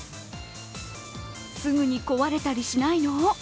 すぐに壊れたりしないの？